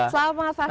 selamat maaf farhan